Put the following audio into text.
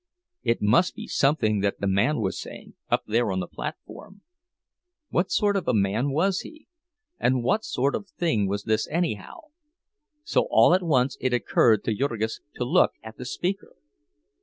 It must be something that the man was saying, up there on the platform. What sort of a man was he? And what sort of thing was this, anyhow?—So all at once it occurred to Jurgis to look at the speaker.